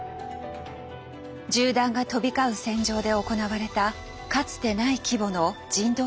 銃弾が飛び交う戦場で行われたかつてない規模の人道支援活動。